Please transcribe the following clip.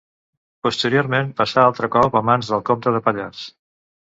Posteriorment passà altre cop a mans del comte de Pallars.